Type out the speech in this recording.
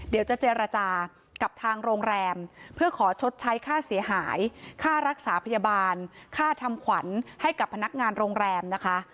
เดี๋ยวจะเจรจากับทางโรงแรมเพื่อขอชดใช้ค่าเสียหายค่ารักษาพยาบาลค่าทำขวัญให้กับพนักงานโรงแรมนะคะ